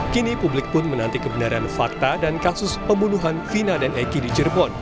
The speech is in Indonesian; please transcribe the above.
kini publik pun menanti kebenaran fakta dan kasus pembunuhan vina dan eki di cirebon